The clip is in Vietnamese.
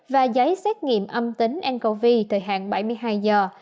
và giấy xét nghiệm âm tính ncov thời hạn bảy mươi hai giờ